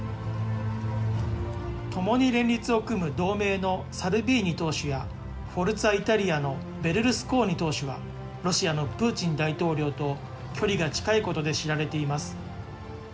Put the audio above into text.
ともに連立を組む同盟のサルビーニ党首やフォルツァ・イタリアのベルルスコーニ党首は、ロシアのプーチン大統領と距離が近いことで知られています。